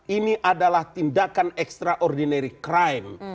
ini adalah tindakan extraordinary crime